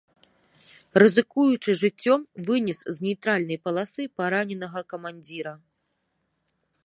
Рызыкуючы жыццём, вынес з нейтральнай паласы параненага камандзіра.